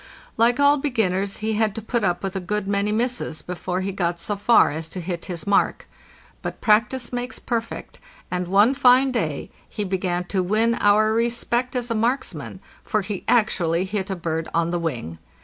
Like all be ginners, he had to put up with a good many misses before he got so far as to hit his mark. But practice makes perfect ; and one fine day he began to win our respect as a marksman, for he actually hit a bird on the wing.